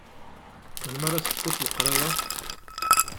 Melmi ara tekfuḍ leqraya?